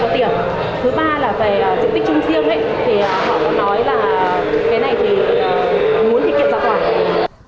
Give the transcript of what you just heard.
thứ ba là về tiệm tích chung riêng thì họ cũng nói là cái này thì muốn thiết kiệm ra quả